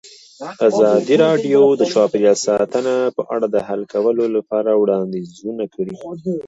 ازادي راډیو د چاپیریال ساتنه په اړه د حل کولو لپاره وړاندیزونه کړي.